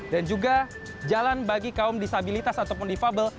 dan juga jalan bagi kaum disabilitas ataupun difabel